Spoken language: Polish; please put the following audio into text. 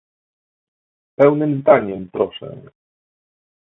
Pełnym zdaniem, proszę!